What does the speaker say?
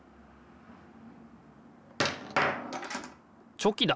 チョキだ。